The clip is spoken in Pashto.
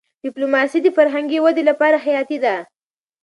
ډيپلوماسي د فرهنګي ودي لپاره حياتي ده.